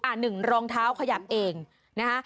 อ่ะหนึ่งรองเท้าขยับเองนะ